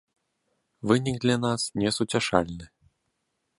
Вынік для нас несуцяшальны.